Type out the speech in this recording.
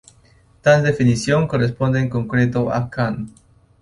Tal definición corresponde en concreto a Kant.